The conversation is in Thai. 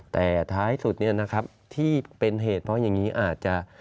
แต่ท้ายสุดเนี่ยนะครับที่เป็นเหตุเพราะอย่างนี้อาจจะ